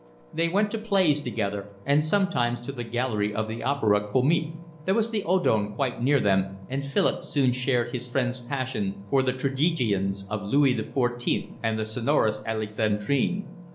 They went to plays together and sometimes to the gallery of the Opera Comique. There was the Odeon quite near them, and Philip soon shared his friend's passion for the tragedians of Louis XIV and the sonorous Alexandrine.